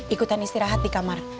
ikutan istirahat di kamar